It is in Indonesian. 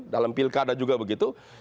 dalam pilkada juga begitu